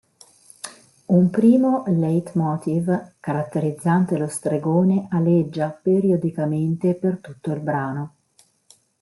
Un primo leitmotiv caratterizzante lo stregone aleggia periodicamente per tutto il brano.